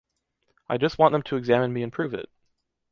I just want them to examine me and prove it.